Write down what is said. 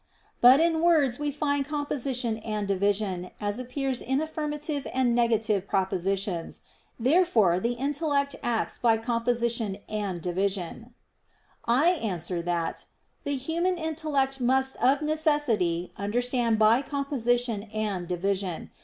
But in words we find composition and division, as appears in affirmative and negative propositions. Therefore the intellect acts by composition and division. I answer that, The human intellect must of necessity understand by composition and division.